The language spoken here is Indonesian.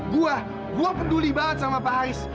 gue gue peduli banget sama pak ais